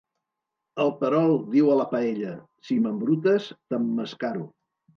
El perol diu a la paella: si m'embrutes, t'emmascaro.